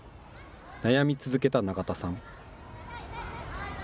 悩み続けた永田さん。